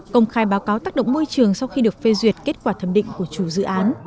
công khai báo cáo tác động môi trường sau khi được phê duyệt kết quả thẩm định của chủ dự án